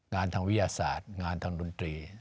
งานทางวิทยาศาสตร์งานทางดนตรี